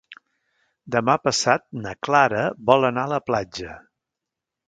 Demà passat na Clara vol anar a la platja.